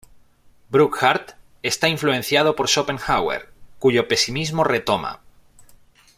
Burckhardt está influenciado por Schopenhauer, cuyo pesimismo retoma.